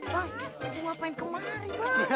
bang lu ngapain kemari